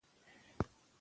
دوی د بڼې په اړه بحث کړی.